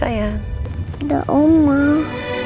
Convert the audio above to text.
saya mau meninggalkannya sayang